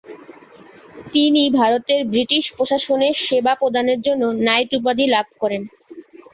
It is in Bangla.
তিনি ভারতে ব্রিটিশ প্রশাসনে সেবা প্রদানের জন্য নাইট উপাধি লাভ করেন।